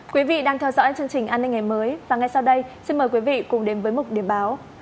quý vị đang theo dõi chương trình an ninh ngày mới và ngay sau đây xin mời quý vị cùng đến với mục điểm báo